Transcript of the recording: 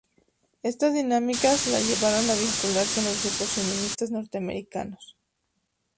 Estas dinámicas la llevaron a vincularse a los grupos feministas norteamericanos.